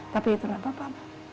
tapi itulah bapak